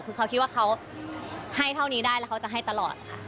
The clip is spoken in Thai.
คือเขาคิดว่าเขาให้เท่านี้ได้แล้วเขาจะให้ตลอดค่ะ